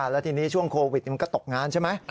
แล้วทีนี้ช่วงโควิดมันก็ตกงานใช่ไหม